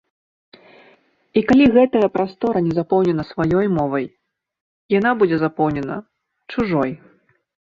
І калі гэтая прастора не запоўнена сваёй мовай, яна будзе запоўнена чужой.